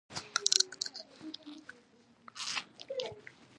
د جین مذهب په عدم تشدد ټینګار کاوه.